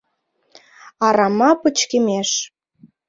Арама пычкемеш